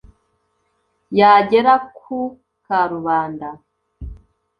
yagerá ku kaarubanda